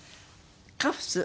カフス？